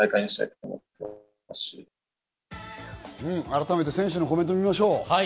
改めて選手のコメントを見ましょう。